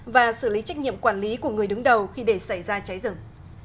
và xử lý trách nhiệm quản lý của người đứng đầu khi để xảy ra cháy rừng